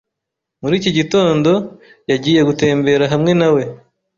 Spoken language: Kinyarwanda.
Muri iki gitondo, yagiye gutembera hamwe na we.